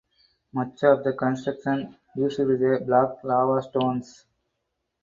Much of the construction used the black lava stones.